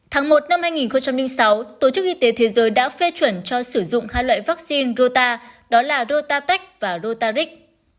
tháng một năm hai nghìn sáu tổ chức y tế thế giới đã phê chuẩn cho sử dụng hai loại vaccine rota đó là rotatech và rotaric